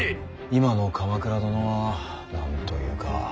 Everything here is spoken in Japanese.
今の鎌倉殿は何と言うか。